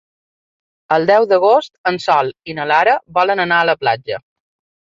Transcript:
El deu d'agost en Sol i na Lara volen anar a la platja.